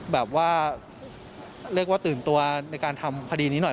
แบบว่าเรียกว่าตื่นตัวในการทำคดีนี้หน่อย